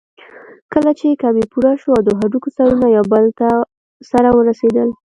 کله چې کمى پوره شو او د هډوکي سرونه يو بل ته سره ورسېدل.